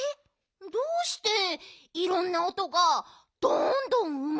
どうしていろんなおとがどんどんうまれるんだろう？